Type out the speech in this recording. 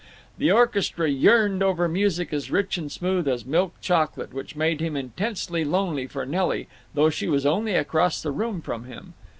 The orchestra yearned over music as rich and smooth as milk chocolate, which made him intensely lonely for Nelly, though she was only across the room from him.